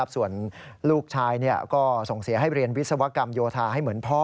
ส่วนลูกชายก็ส่งเสียให้เรียนวิศวกรรมโยธาให้เหมือนพ่อ